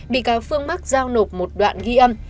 bị cáo phương mắc giao nộp một đoạn ghi âm